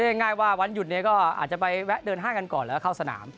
ง่ายว่าวันหยุดนี้ก็อาจจะไปแวะเดินห้างกันก่อนแล้วก็เข้าสนาม